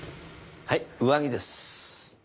はい上着です。